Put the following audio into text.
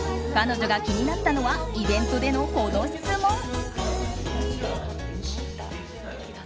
彼女が気になったのはイベントでの、この質問。